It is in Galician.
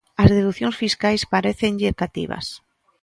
As deducións fiscais parécenlle cativas.